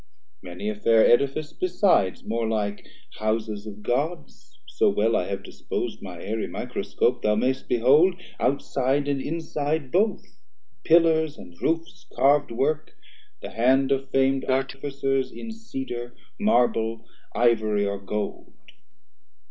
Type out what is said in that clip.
Many a fair Edifice besides, more like Houses of Gods (so well I have dispos'd My Aerie Microscope) thou may'st behold Outside and inside both, pillars and roofs Carv'd work, the hand of fam'd Artificers In Cedar, Marble, Ivory or Gold.